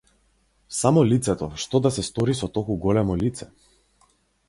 Само лицето, што да се стори со толку големо лице?